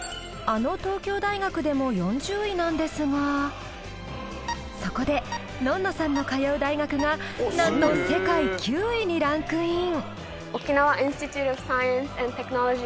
あの東京大学でも４０位なんですがそこでのんのさんの通う大学がなんと世界９位にランクイン。